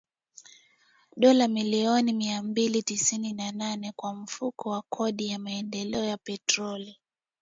(dola milioni mia mbili tisini na nane) kwa Mfuko wa Kodi ya Maendeleo ya Petroli